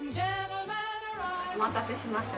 お待たせしました。